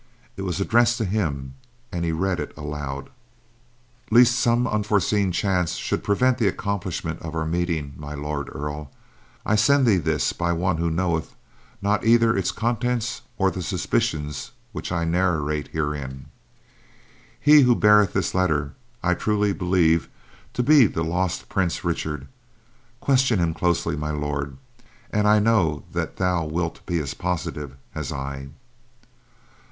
It was addressed to him, and he read it aloud: Lest some unforeseen chance should prevent the accomplishment of our meeting, My Lord Earl, I send thee this by one who knoweth not either its contents or the suspicions which I will narrate herein. He who beareth this letter, I truly believe to be the lost Prince Richard. Question him closely, My Lord, and I know that thou wilt be as positive as I.